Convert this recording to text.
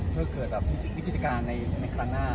เพื่อเกิดวิกฤติการณ์ในภายภาคหน้า